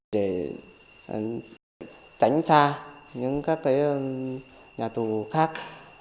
để tránh xa những các nhà tù khác